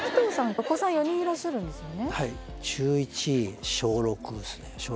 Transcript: お子さん４人いらっしゃるんですよね？